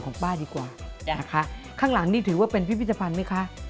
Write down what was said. ของป้าดีกว่านะคะข้างหลังนี่ถือว่าเป็นพิจภัณฑ์มั้ยค่ะ